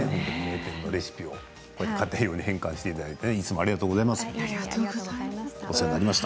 レシピをこうやって家庭用に変換していただいていつもありがとうございます